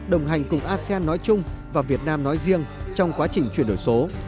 đồng hành cùng asean nói chung và việt nam nói riêng trong quá trình chuyển đổi số